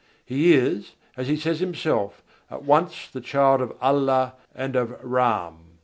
He is, as he says himself, "at once the child of Allah and of Râm."